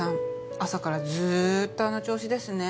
朝からずっとあの調子ですね